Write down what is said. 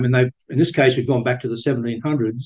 dan di sini kita kembali ke tahun seribu tujuh ratus